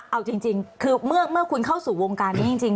เอาจริงคือเมื่อคุณเข้าสู่วงการนี้จริง